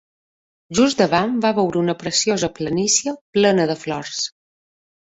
Just davant va veure una preciosa planícia plena de flors.